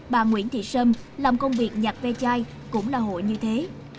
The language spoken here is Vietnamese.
bà nguyễn thị sâm làm công việc nhặt ve chai cũng là hội như thế